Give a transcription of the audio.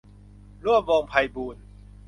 ร่วมวงศ์ไพบูลย์